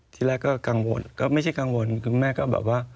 ที่แรกก็กังวลก็ไม่ใช่กังวลคุณแม่ก็แบบว่า